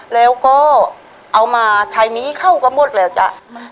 แล้วก็เอามาใช้หนี้เขาก็หมดแล้วจ้ะ